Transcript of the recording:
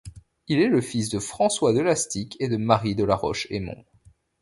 Il est le fils de François de Lastic et de Marie de la Roche-Aymon.